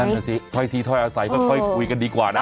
น่ะสิถ้อยทีถ้อยอาศัยค่อยคุยกันดีกว่านะ